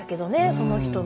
その人の。